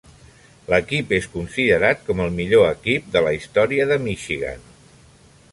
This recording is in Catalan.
L'equip és considerat com el millor equip de la història de Michigan.